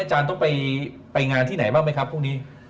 อาจารย์ต้องไปงานที่ไหนบ้างไหมครับพรุ่งนี้